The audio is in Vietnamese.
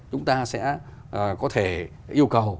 chúng ta sẽ có thể yêu cầu